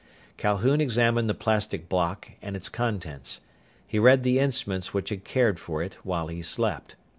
Calhoun examined the plastic block and its contents. He read the instruments which had cared for it while he slept.